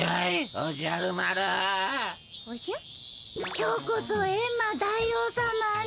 今日こそエンマ大王様の。